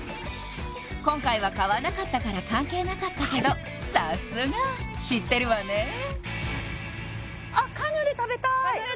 今回は買わなかったから関係なかったけどさすが知ってるわねカヌレカヌレ